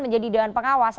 menjadi daun pengawas